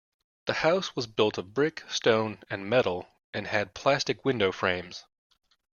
The house was built of brick, stone and metal, and had plastic window frames.